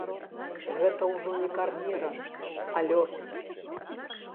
Гэта ўжо не кар'ера, а лёс.